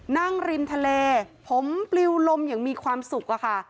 ริมทะเลผมปลิวลมอย่างมีความสุขอะค่ะ